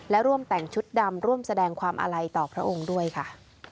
และร่วมแต่งชุดดำร่วมแสดงความอาลัยต่อพระองค์ด้วยค่ะ